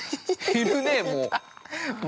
◆いるね、もう。